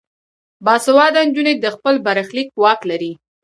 باسواده نجونې د خپل برخلیک واک لري.